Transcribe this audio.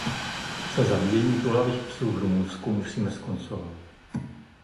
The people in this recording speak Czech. Se zabíjením toulavých psů v Rumunsku musíme skoncovat.